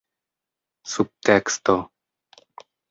subteksto